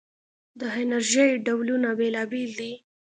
د انرژۍ ډولونه بېلابېل دي.